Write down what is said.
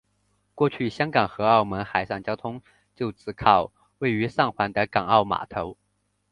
过去香港和澳门的海上交通就只靠位于上环的港澳码头。